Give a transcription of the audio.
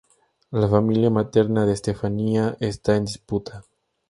La familia materna de Estefanía está en disputa.